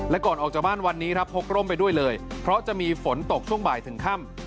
และก่อนออกจากบ้านวันนี้ครับพกร่มไปด้วยเลยเพราะจะมีฝนตกช่วงบ่ายถึงค่ำ